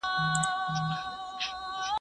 ياد مي ته که، موړ به مي خداى کي.